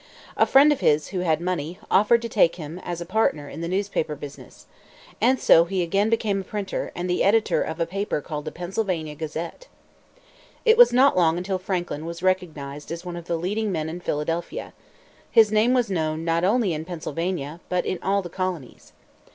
A friend of his, who had money, offered to take him as a partner in the newspaper business. And so he again became a printer, and the editor of a paper called the Pennsylvania Gazette. It was not long until Franklin was recognized as one of the leading men in Philadelphia. His name was known, not only in Pennsylvania, but in all the colonies.